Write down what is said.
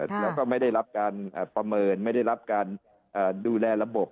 แล้วก็ไม่ได้รับการประเมินไม่ได้รับการดูแลระบบ